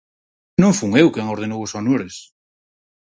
Non fun eu quen ordenou os honores.